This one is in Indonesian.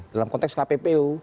dalam konteks kppu